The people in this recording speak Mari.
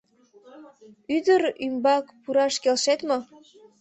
— Ӱдыр ӱмбак пураш келшет мо?